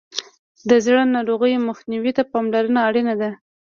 د زړه ناروغیو مخنیوي ته پاملرنه اړینه ده.